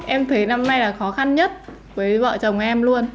em thấy năm nay là khó khăn nhất với vợ chồng em luôn